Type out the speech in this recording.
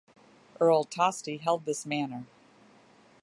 Earl Tosti held this manor.